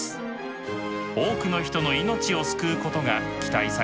多くの人の命を救うことが期待されています。